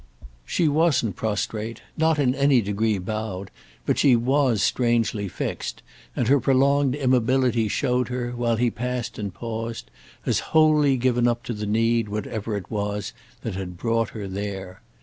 She wasn't prostrate—not in any degree bowed, but she was strangely fixed, and her prolonged immobility showed her, while he passed and paused, as wholly given up to the need, whatever it was, that had brought her there.